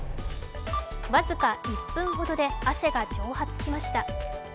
僅か１分ほどで、汗が蒸発しました。